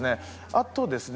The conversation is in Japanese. あとですね